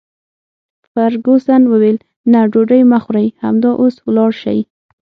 فرګوسن وویل: نه، ډوډۍ مه خورئ، همدا اوس ولاړ شئ.